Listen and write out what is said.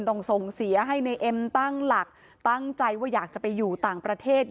ต้องส่งเสียให้ในเอ็มตั้งหลักตั้งใจว่าอยากจะไปอยู่ต่างประเทศ